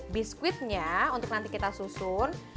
biskuitnya untuk nanti kita susun